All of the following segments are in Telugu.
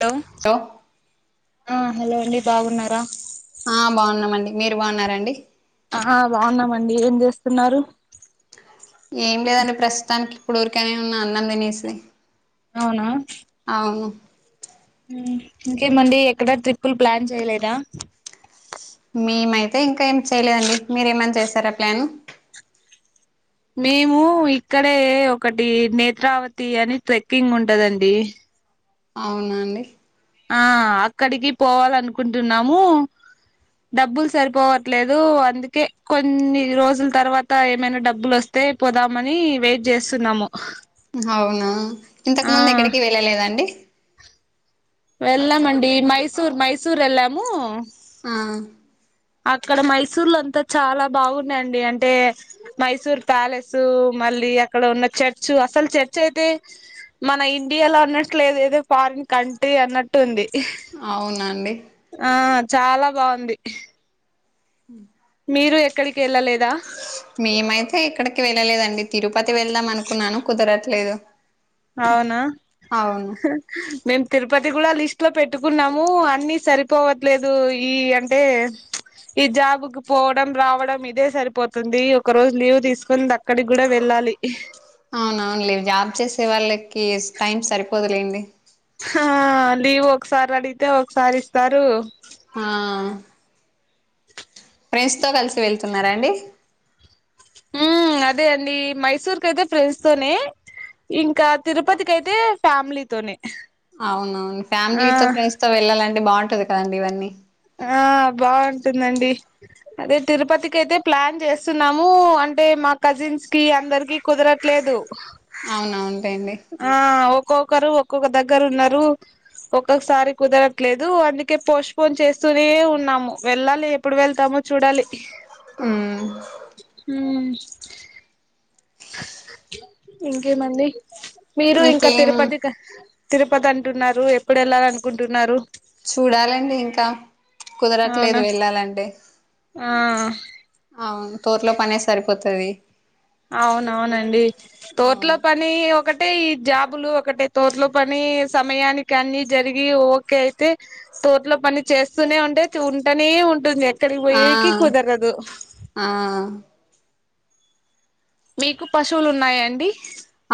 డో సవ్ ఆ హలో అండి బాగున్నరా ఆ బావున్నామండి మీర్ బావున్నారా అండి అ హా బావున్నామండి ఏం జేస్తున్నారు ఏం లేదండి ప్రస్తుతానికి ఇప్పుడు ఊర్కెనే ఉన్నా అన్నం దినేసి ఔనా ఔను ఇంగ్ ఇంకేమండీ ఎక్కడా ట్రిప్పుల్ ప్లాన్ చేయలేదా మేమైతే ఇంక ఏం చేయలేదండి మీరేమన్ చేస్తారా ప్లాన్ మేమూ ఇక్కడే ఒకటీ నేత్రావతి అని ట్రెక్కింగ్ ఉంటదండి అవునా అండి ఆ అక్కడ్గీ పోవాలన్కుంటున్నామూ డబ్బుల్ సరిపోవట్లేదూ అందుకే కొన్ని రోజుల్ తర్వాత ఏమైనా డబ్బులొస్ తే పోదామనీ వెయిట్ జేస్తున్నాము హౌనా ఇంతక్ ముంద్ ఎక్కడికి వెళ్ళలేదండి వెళ్ళమండీ మైసూర్ మైసూర్ ఎళ్ళామూ ఆ అక్కడ మైసూర్లొంత చాలా బాగున్నాయండి అంటే మైసూర్ ప్యాలెస్సూ మళ్ళీ అక్కడ ఉన్న చర్చు అసల్ చర్చ్ ఐతే మన ఇండియాలో అన్నట్లేదు ఏదో ఫారిన్ కంట్రీ అన్నట్టు ఉంది ఔనండీ ఆ చాలా బావుంది హ [inaudible] మీరూ ఎక్కడి కెళ్ళలేదా మేమైతే ఇక్కడికి వెళ్ళలేదండి తిరుపతి వెళ్దాం అనుకున్నాను కుదరట్లేదు ఔనా అవును మేం తిరుపతి గుడ లీస్ట్ లో పెట్టుకున్నామూ అన్నీ సరిపోవట్లేదూ ఈ అంటే ఈ జాబుక్ పోవడం రావడం ఇదే సరిపోతుందీ ఒకరోజ్ లీవ్ దీస్కొన్ దాన్ అక్కడిగ్గుడ వెళ్ళాలి ఔన్ ఔన్లే జాబ్ జేసే వాళ్ళకీ టైం సరిపోదులేండి ఆ లీవ్ ఒకసారి అడిగితే ఒకసారి ఇస్తారు. ఆ ఫ్రెండ్స్ తో కలిసి వెళ్తున్నారా అండి. ఉ అదే అండి. మైసూర్ కయితే ఫ్రెండ్స్ తోనే ఇంకా తిరుపతికి అయితే ఫ్యామిలీతోనే, అవునవును ఆ ఫ్యామిలీతో ఫ్రెండ్స్ తో వెళ్ళాలంటే బాగుంటాది కదండి. ఇవన్నీ ఆ బాగుంటుందండి. అదే తిరుపతికి అయితే ప్లాన్ చేస్తున్నాము. అంటే మా కజిన్స్ కి, అందరికి, కుదరట్లేదు. అవునవును ఉంటాయిడి ఆ ఒక్కొక్కరు ఒక్కొక్క దగ్గరు ఉన్నారు. ఒక్కొక్కసారి కుదరట్లేదు. అందుకే పోస్ట్ పోన్ చేస్తూనే ఉన్నాము. వెళ్ళాలి. ఎప్పుడు వెళ్తామో చూడాలి. హ్మ్మ్ హమ్ ఇంకేమండి. మీరు ఇంకా ఇంకేం తిరుపతికి క తిరుపతి అంటున్నారు. ఎప్పుడు వెళ్ళాలనుకుంటున్నారు. చూడాలండి. ఇంకా కుదరట్లేదు అవునా వెళ్ళాలంటె ఆ అవును తోటలో పనే సరిపోతది. అవునవునండి. తోటలో అవును పనీ కానీ ఒకటే ఈ జాబులు ఒకటే తోటలో పని సమయానికి అన్నిజరిగి ఓకే అయితే తోట్లో పని చేస్తూనే ఉంటే ఉంటునే ఉంటుంది. ఎక్కడికి ఆ పోయేకి కుదరదు. ఆ మీకు పశువులు ఉన్నాయ అండి.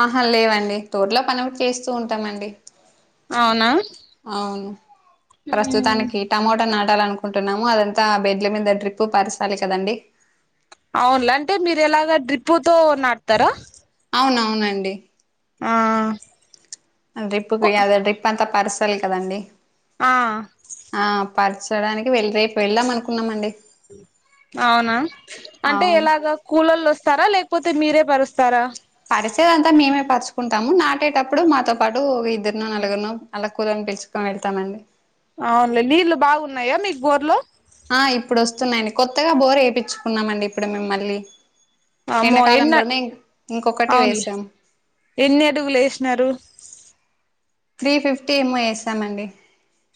ఆహా లేవండి. తోట్లా పనఒకటి చేస్తూ ఉంటామండి. అవునా అవును ప్రస్తుతానికి టమోటా నాటాలనుకుంటున్నాము. అదంతా ఆ బెడ్ల మీద ట్రీప్పు పరచాలి కదండి. అవునులే అంటే మీరు ఎలాగ డ్రిప్పు తో నాటుతారా అవునవునండి ఆ డ్రిప్పు వేయాలి డ్రిప్ అంతా పర్సాలీకదండి. ఆ ఆ పరచడానికి వె రేపు వెళ్దాం అనుకున్నామండి. అవునా అంటే అవును ఎలాగా కూలోలు వస్తారా, లేకపోతే మీరే పరుస్తారా, పరిసేది అంతా మేమే పరుచుకుంటాము. నాటేటప్పుడు మాతో పాటుఒక ఇద్దరునో నలుగురునో అలా కురని పలుచు [unintelligible] హా వెళ్తమండి అవునులే నీళ్లు బాగున్నాయా మీకు బోర్లో ఆ ఇప్పుడు వస్తున్నాయండి. కొత్తగా బోర్ వేయిచ్చుకున్నామ అండి ఇప్పుడు మేము మళ్ళీ అమ్మో ఎన్న ఎండకాలంలోనే ఇంకొకటి అవునులే వేసాం. ఎన్ని అడుగులు వేసినారు. త్రీ ఫిఫ్టీ ఎంఓ వేసాము అండి.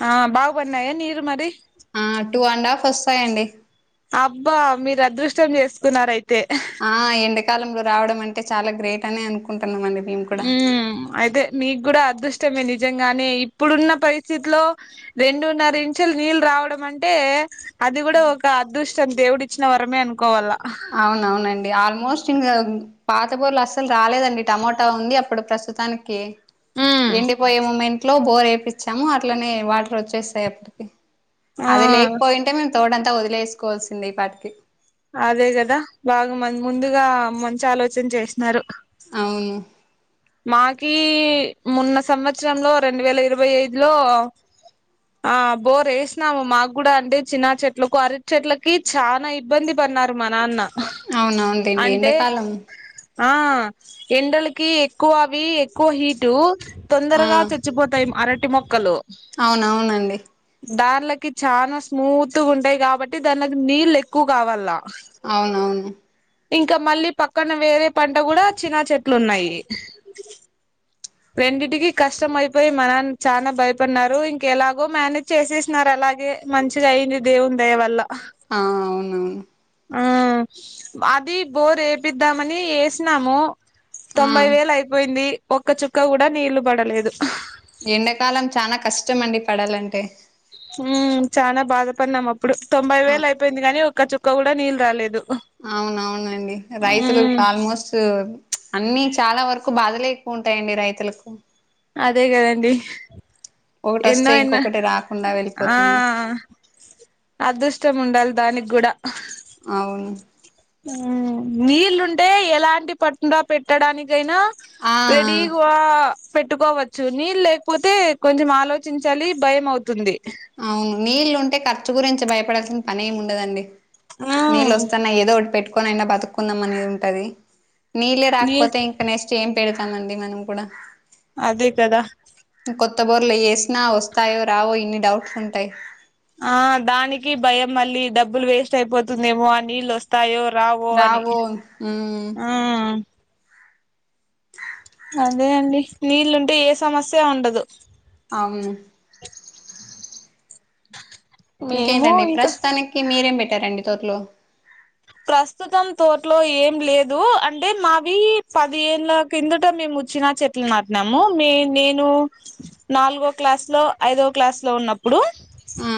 ఆ బాగ పడినాయ నీరు మరి ఆ టూ అండ్ హాఫ్ వస్తాయంండి అబ్బా మీరు అదృష్టం చేసుకున్నారు అయితే ఆ ఎండకాలంలో రావడం అంటే చాలా గ్రేట్ అని అనుకుంటున్నాంమండి ఇ మ్మ్ అయితే మీకు కూడా అదృష్టమే నిజంగానే ఇప్పుడున్న పరిస్థితిలో రెండున్నర ఇంచలు నీళ్ళు రావడం అంటే అది కూడా ఒక అదృష్టం దేవుడు ఇచ్చిన వరమే అనుకోవాల అవునవునండి ఆల్మోస్ట్ ఇంకా పాత పూరలు అస్సలు రాలేదండి టమోటా ఉంది అప్పుడు ప్రస్తుతానికి ఉమ్ ఎండిపోయే మూమెంట్లో బోర్ వేపించాము అట్లనే వాటర్ వచ్చేస్తాయి అప్పటికి అది ఆ లేకపోయింటే మేము తోట అంతా వదిలేసుకోవాల్సింది ఈ పాటికి అదే కదా బాగా మ ముందుగా మంచి ఆలోచన చేసినారు అవును మాకి మోన్న సంవత్సరంలో రెండు వేల ఇరవై ఐదు లో ఆ బోర్ వేసినాము మాకు కూడా అంటే చిన్న చెట్లకు అరటీ చెట్లకి చానా ఇబ్బంది పడినారు మా నాన్న అవునవునులేండి అంటే ఎండాకాలం ఆ ఎండలకి ఎం క్కువ అవి ఎక్కువ హీటు ఆ తొందరగా చచ్చిపోతాయి అరటి మొక్కలు అవునవునండి దన్లకి చానా స్మూత్ ఉంటాయి కాబట్టి దానిలోకి నీళ్లు ఎక్కువ కావాళ్ళ అవునవును ఇంకా మళ్ళీ పక్కన వేరే పంట కూడా చినా చెట్లు ఉన్నాయి రండింటికి కష్టం అయిపోయి మా నాన్న చానా భయపడిన ఇంకెలాగో మేనేజ్ చేసేసినారు అలాగే మంచిగా అయింది దేవుని దయ వల్ల ఆ అవునవును ఆ అది బోర్ వేపిద్దామని వేసినాము ఆ తొంభై వేలు అయిపోయింది ఒక్క చుక్క కూడా నీళ్లు పడలేదు ఎండాకాలం చాలా కష్టం అండి పడాలంటే చాలా బాధపడినాం అప్పుడు తొంభై ఆ వేలు అయిపోయింది కాని ఒక చు క్క కూడా నీళ్ళు రాలేదు అవునవునండి రైతులు ఉమ్ ఆల్మోస్ట్ అన్ని చాలా వరకు బాధలే ఎక్కువ ఉంటాయండి రైతులకు అదే కదండి ఒకటి వస్తే ఎన్నో ఎన్నో ఇంకొకటి రాకుండా ఆ వెళ్ళిపోతుంది అదృష్టం ఉండాలి దానికి కూడా అవును నీళ్ళు ఉంటే ఎలాంటి పట్టుడా పెట్టడానికైనా ఆ ఆ! రెడీగా ఎక్కువ పెట్టుకోవచ్చు నీళ్ళ లేకపోతే కొంచం ఆలోచించాలి భయం అవుతుంది అవును నీళ్ళలుుంటే ఖర్చు గురించి భయపడాల్సిన పని ఏమి ఉండదండి ఆ నీళ్ళు వస్తున్నా ఏదో ఒకటి పెట్టుకొని అయినా బతుకుందాం అనేది ఉంటది నీళ్ళే నీ రాకపోతే ఇంకా నెక్స్ట్ ఏం పెడతామండి మనం కూడా అదే కదా! కొత్త బోర్లు యేసినా వస్తాయో రావో ఇన్ని డౌట్స్ ఉంటాయ్ ఆ దానికి భయం మళ్ళీ డబ్బులు వేస్ట్ అయిపోతుందేమో ఆ నీళ్ళు వస్త తాయో రావో అని ఉమ్ ఆ అదే అండి నీళ్ళుంటే ఏ సమస్య ఉండదు అవును మేము ఇంకేంటండి ఇంకా ప్రస్తుతానికి మీరేం పెట్టారండి తోటలో ప్రస్తుతం తోటలో ఏం లేదు అంటే మావి పది ఏళ్ళ కిందట మేము వచ్చిన చెట్లు నాటినాము. మీ నేను నాలుగో క్లాస్ లో ఐదో క్లాస్ లో ఉన్నప్పుడు ఆ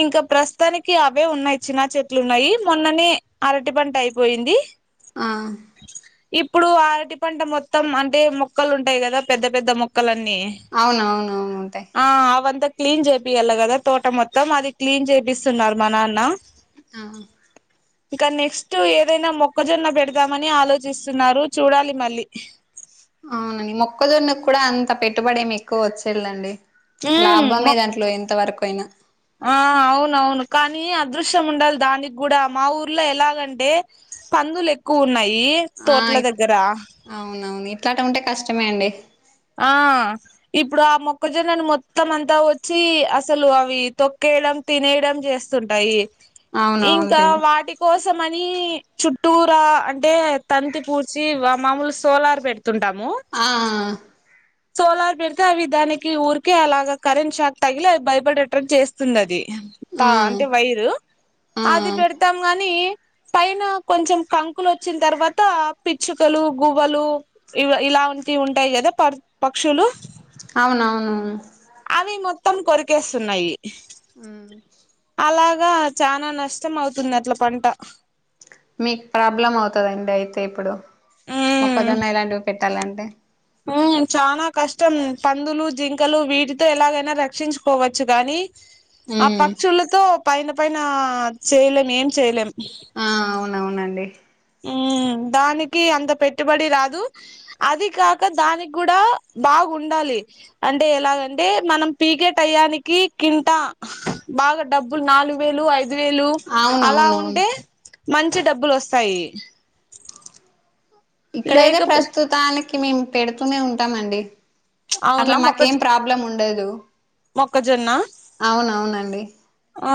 ఇంకా ప్రస్తుతానికి అవే ఉన్నాయ్, చినా చెట్లు ఉన్నాయి. మొన్ననే అరటి పంట అయిపోయింది. ఆ ఇప్పుడు ఆ అరటి పంట మొత్తం అంటే మొక్కలు ఉంటాయి కదా పెద్ద పెద్ద మొక్కలన్నీ అవునవునవునుంటయి ఆ ఆవంతా క్లీన్ చేపియల్ల కదా తోట మొత్తం అది క్లీన్ చేపిస్తున్నారు మా నాన్న ఆ ఇక నెక్స్ట్ ఏదైనా మొక్కజొన్న పెడదామని ఆలోచిస్తున్నారు చూడాలి మళ్ళీ ఆ అవునండి మొక్కజొన్న కూడా అంత పెట్టుబడి ఏమి ఎక్కువ వచ్చేళండి. ఉమ్ లాభమే మొ దాంట్లో, ఎంత వరకు అయినా ఆ అవునవును కానీ అదృష్టం ఉండాలి దానికి కూడా మా ఊర్లో ఎలాగంటే పందులు ఎక్కువ ఉన్నాయి ఆ తోట్ల ఇప్ దగ్గర అవునవును ఇట్లట ఉంటే కష్టమే అండి ఆ ఇప్పుడు ఆ మొక్కజొన్నను మొత్తం అంతా వచ్చి అసలు అవి తొక్కేయడం తినేయడం చేస్తుంటాయి. ఇంకా అవునవునులేండి వాటి కోసమని చుట్టూర అంటే తంతి పూడ్చి మామూలు సోలార్ పెడ తుంటాము ఆ సోలార్ పెడితే అవి దానికి ఊరికే అలాగా కరెంట్ షాక్ తగిలి అవి భయపడే టట్టు చేస్తుంది అది త ఆ అంటే వైరు ఆ అది పెడతాం గానీ పైన కొంచెం కంకులు వచ్చిన తర్వాత పిచ్చుకలు గువ్వలు ఇ ఇలా ఉంటివి ఉంటాయి కదా ప పక్షులు అవునవును అవి మొత్తం కొరికేస్తున్నాయి ఆ అలాగా చానా నష్టం అవుతుంది అట్ల పంట మీకు ప్రాబ్లం అవుతుందండి అయితే ఇప్పుడు మొక్కజొన్న ఇలాంటివి పెట్టాలంటే చాలా కష్టం పందులు జింకలు వీటితో ఎలాగైనా రక్షించుకోవచ్చు కాని ఆ ఉమ్ పక్షులతో పైన పైన ఆ చేయలేం ఏం చేయలేం ఆ అవునవునండి ఉమ్ దానికి అంత పెట్టుబడి రాదు అది కాక దానికి కూడా బాగుండాలి అంటే ఎలాగంటే మనం పీకే టయానికి కింటా బాగా డబ్బులు నాలుగు వేలు ఐదు పది వేలు అలా అవునవునవును ఉంటే మంచి డబ్బులు వస్తయ్ ఇక్కడైతే ప్రస్తుతానికి మేము పెడుతూనే ఉంటామండి అవునా అట్లా మాకేం ప్రా బ్లముండదు మొక్కజొన్నా ఆ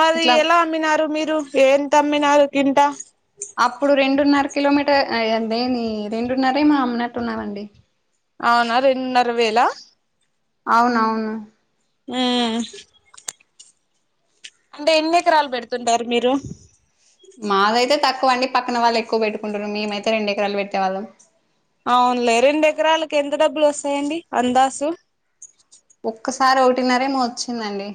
మరీ ఇట్లా ఎలా అమ్మినారు మీరు ఎంత అమ్మినారు కింట అప్పుడు రెండున్నర కిలోమీటర్ అదేనీ రెండున్నరే ఏమో మా అమ్మన్నట్టు ఉన్నారండి అవునా రెండున్నర వేలా అవునవును ఊ. అంటే ఎన్ని ఎకరాలు పెడుతుంటరు మీరు మాదైతే తక్కువ అండి పక్కన వాళ్ళు ఎక్కువ పెట్టుకుంటరు మేమైతే రెండు ఎకరాలు పెట్టేవాళ్ళం అవునులే రెండు ఎకరాలకు ఎంత డబ్బులు వస్తాయండి అందాసు ఒక్కసారి ఒకటిన్నరేమో వచ్చిందండి.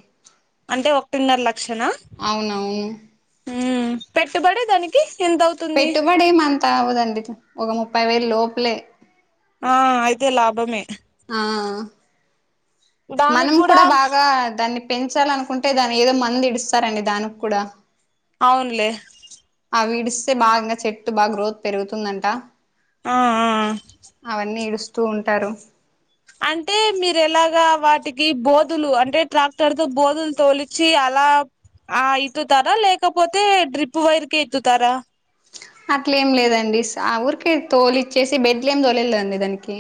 అంటే ఒకటిన్నర లక్షలు నా అవునవును ఉమ్ పెట్టుబడి దానికి ఎంత అవుతుంది పెట్టుబడి ఏం అంత అవ్వదండి. ఒక ముప్పై వేలు లోపలే ఆ అయితే లాభమే ఆ మనం కూడా బాగా దాన్ని పెంచాలనుకుంటే దాన్ని ఏదో మందు ఇడుస్తారండి దానికి కూడా అవునులే ఆ విడిస్తే బాగా చెట్టు బాగా గ్రోత్ పెరుగుతుందంట ఆ ఆ అవన్నీ ఇడుస్తూ ఉంటారు అంటే మీరు ఎలాగా వాటికి బోదులు అంటే ట్రాక్టర్ తో బోదులు తోలిచ్చి అలా ఆ ఇతుతారా లేకపోతే డ్రిప్ వైర్ కె ఇతుతారా అట్లేం లేదండి స ఊరికే తోలిచ్చేసి బెడ్లు ఏం తోలియలేదండి దానికి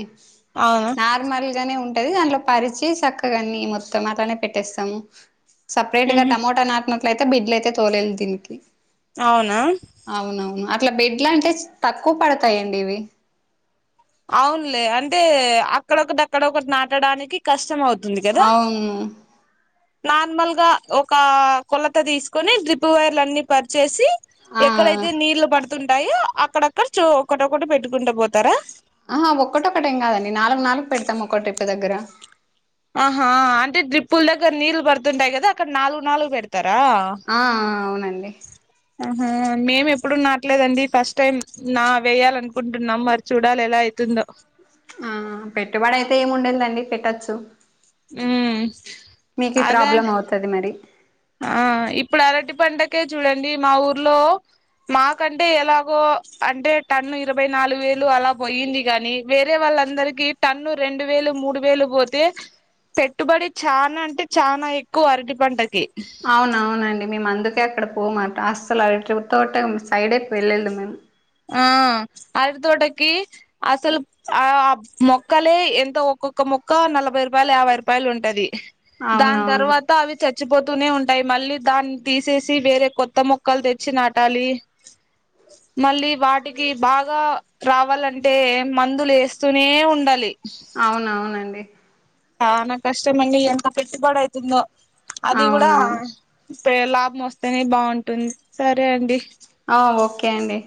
అవునా నార్మల్ గనే ఉంటది దానిలో పరిచి చక్కగా అన్ని మొత్తం అట్లనే పెట్టేస్తము. సపరేట్ గా ఉహు టమోట నాటినం అట్లయితే బిడ్లు అయితే తోలేదు దీనికి అవునా! అవునవును అట్లా బెడ్లు అంటే తక్కువ పడతాయండి ఇవి అవునులే అంటే అక్కడొకటి అక్కడొకటి నాటడానికి కష్టమవుతుంది కదా అవును నార్మల్ గా ఒక కొలత తీసుకొని డ్రిప్ వైర్లన్నీ పరిచేసి ఆ ఎక్కడైతే నీళ్లు పడుతుంటాయో అక్కడక్కడ చో ఒకటోక్కటి పెట్టుకుంటా పోతారా ఆహా ఒక్కటొక్కటేం కాదండి నాలుగు, నాలుగు పెడతాం ఒక్క డ్రిప్ దగ్గర ఆహా ఆ అంటే డ్రిప్పుల దగ్గర నీళ్లు పడుతుంటాయి కదా అక్కడ నాలుగు, నాలుగు పెడతారా ఆ అ అవునండి ఆహా మేము ఎప్పుడు నాటలేదండి ఫస్ట్ టైం నా వేయాలి అనుకుంటున్నాం మరి చూడాలి ఎలా అయితుందో ఆ పెట్టుబడి అయితే ఏమి ఉండందండి పెట్టచ్చు ఉమ్ మీకే అదే ప్రాబ్లం అవుతది మరి ఆ ఇప్పుడు అరటి పంటకే చూడండి మా ఊర్లో మాకంటే ఎలాగో అంటే టన్ను ఇరవై నాలుగు వేలు అలా పోయింది గనీ వేరే వాళ్ళందరికి టన్ను రెండు వేలు, మూడు వేలు పోతే పెట్టుబడి చానా అంటే చానా ఎక్కువ అరటి పంటకి అవునవునండి మేము అందుకే అక్కడ పొము అటు అస్సలు అరటి తోటే సైడే వెళ్ళలేదు మేము ఆ అరటి తోటకి అసలు ఆ మొక్కలే ఎంతో ఒక్కొక్క మొక్క నలభై రూపాయలు, యాభై రూపాయలు ఉంటది దాని అవునవును తర్వాత త్త అవి చచ్చిపోతూనే ఉంటాయ్ మళ్ళీ దాన్ని తీసేసి వేరే కొత్త మొక్కలు తెచ్చి నాటాలి. ఓ మళ్ళీ వాటికి బాగా రావాలంటే మందులు ఏస్తూనే ఉండాలి. అవునవునండి చానా కస్టమండి ఎంత పెట్టుబడి అయితుందొ అది కూడా అవునవును పేర్లభం వస్తేనే బాగుంటుంది సరే అండి ఆ ఒకే అండి